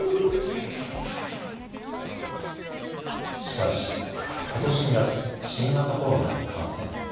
しかし、ことし２月、新型コロナに感染。